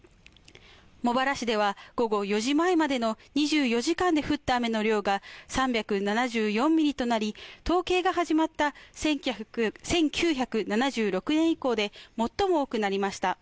茂原市では午後４時前までの２４時間で降った雨の量が３７４ミリとなり、統計が始まった１９７６年以降で最も多くなりました